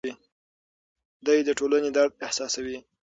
دی د ټولنې درد احساسوي.